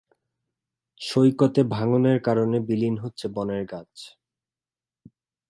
সৈকতে ভাঙনের কারণে বিলীন হচ্ছে বনের গাছ।